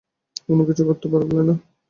অন্য কিছু পরতে পারলে না?